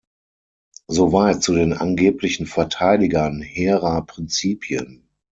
Soweit zu den angeblichen Verteidigern hehrer Prinzipien.